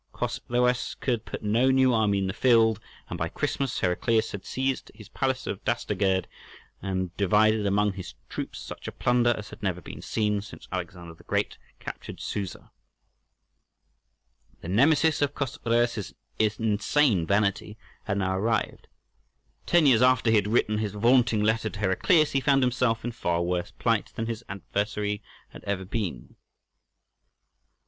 Chosroës could put no new army in the field, and by Christmas Heraclius had seized his palace of Dastagerd, and divided among his troops such a plunder as had never been seen since Alexander the Great captured Susa. The Nemesis of Chosroës' insane vanity had now arrived. Ten years after he had written his vaunting letter to Heraclius he found himself in far worse plight than his adversary had ever been.